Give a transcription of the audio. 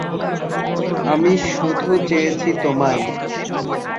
আমি শুধু চেয়েছি তোমায়।